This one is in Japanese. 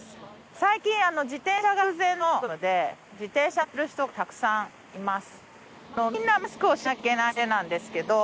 最近自転車が空前のブームで自転車乗ってる人がたくさんいます。